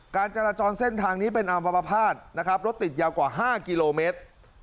การจรจรเส้นทางนี้เป็นอาวบาปภาษณ์รถติดยาวกว่า๕กิโลเมตร